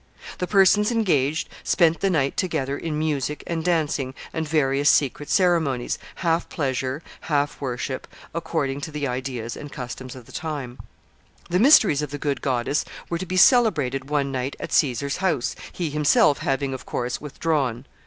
The persons engaged spent the night together in music and dancing and various secret ceremonies, half pleasure, half worship, according to the ideas and customs of the time. [Sidenote: Clodius.] [Sidenote: Caesar divorces his wife.] The mysteries of the Good Goddess were to be celebrated one night at Caesar's house, he himself having, of course, withdrawn.